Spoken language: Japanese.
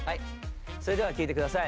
それでは聴いて下さい。